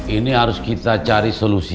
ini harus kita cari solusi